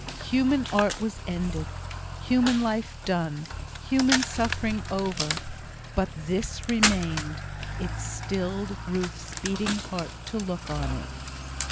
Human art was ended human life done human suffering over; but this remained; it stilled Ruth's beating heart to look on it.